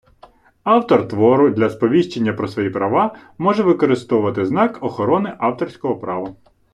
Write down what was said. автор твору для сповіщення про свої права може використовувати знак охорони авторського права